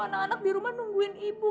anak anak di rumah nungguin ibu